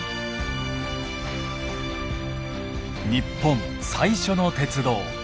日本最初の鉄道。